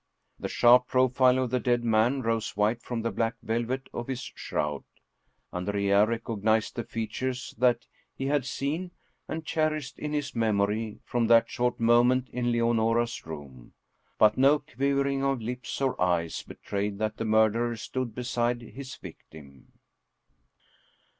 The sharp profile of the dead man rose white from the black velvet of his shroud. Andrea recognized the fea tures that he had seen, and cherished in his memory, from that short moment in Leonora's room. But no quivering of lips or eyes betrayed that the murderer stood beside his victim.